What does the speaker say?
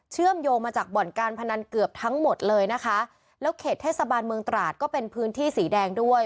เชื่อมโยงมาจากบ่อนการพนันเกือบทั้งหมดเลยนะคะแล้วเขตเทศบาลเมืองตราดก็เป็นพื้นที่สีแดงด้วย